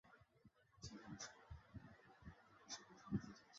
人们认为这个增幅是罗马人造成的。